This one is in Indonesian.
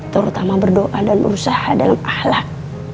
terutama berdoa dan berusaha dalam ahlak